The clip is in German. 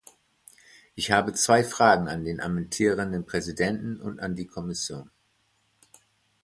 Ich habe zwei Fragen an den amtierenden Präsidenten und an die Kommission.